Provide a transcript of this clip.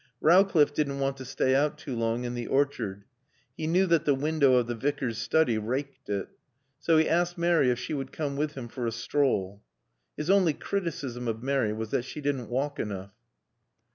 Rowcliffe didn't want to stay out too long in the orchard. He knew that the window of the Vicar's study raked it. So he asked Mary if she would come with him for a stroll. (His only criticism of Mary was that she didn't walk enough.)